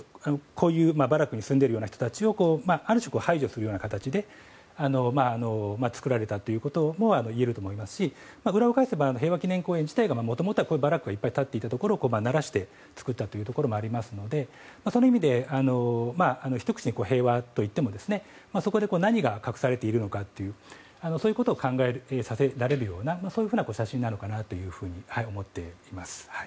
こういうバラックに住んでいるような人たちをある種、排除するような形で作られたということもいえると思いますし裏を返せば、平和記念公園自体がもともとはバラックが立っていたところをならして作ったというのがありますのでその意味でひと口に平和と言ってもそこで何が隠されているのかそういうことを考えさせられるような写真なのかなと思っています。